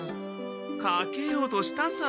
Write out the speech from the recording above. かけようとしたさ。